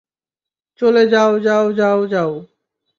চলো, যাও, যাও, যাও, যাও।